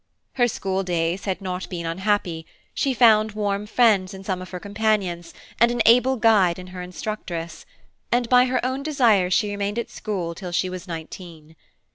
Her school days had not been unhappy; she found warm friends in some of her companions, and an able guide in her instructress, and by her own desire she remained at school till she was nineteen.